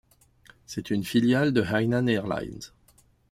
C'est une filiale de Hainan Airlines.